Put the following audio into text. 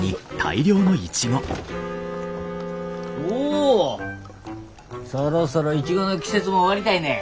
おおそろそろイチゴの季節も終わりたいね。